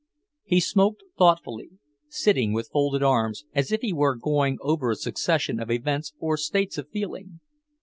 He smoked thoughtfully, sitting with folded arms, as if he were going over a succession of events or states of feeling.